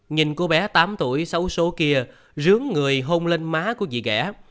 nhìn cô bé tám tuổi xấu xố kia rướng người hôn lên má của dì ghẻ